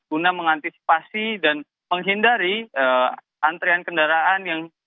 guna mengantisipasi dan menghindari antrian kendaraan yang